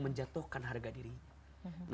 menjatuhkan harga dirinya